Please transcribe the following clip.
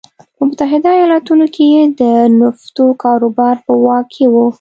په متحده ایالتونو کې یې د نفتو کاروبار په واک کې و.